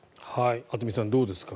渥美さん、どうですか？